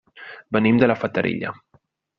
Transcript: Venim de la Fatarella.